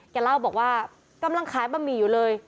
แกเล่าบอกว่ากำลังขายบะหมี่อยู่เลย